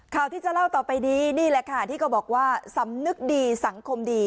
ข่าวที่จะเล่าต่อไปนี้นี่แหละค่ะที่เขาบอกว่าสำนึกดีสังคมดี